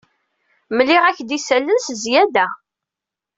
Mliɣ-ak-d isallen s zzyada.